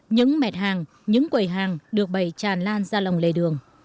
những mẹt hàng những quầy hàng được bày tràn lan ra lòng lề đường